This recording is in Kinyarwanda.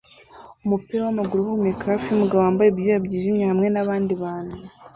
Umupira wamaguru uhumeka hafi yumugabo wambaye ibyuya byijimye hamwe nabandi bantu